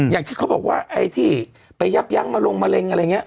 อย่างที่เขาบอกว่าไอ้ที่ไปยับยั้งมาลงมะเร็งอะไรอย่างนี้